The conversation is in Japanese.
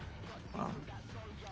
ああ。